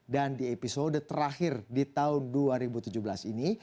dan di episode terakhir di tahun dua ribu tujuh belas ini